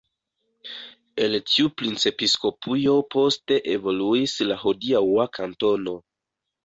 El tiu princepiskopujo poste evoluis la hodiaŭa kantono.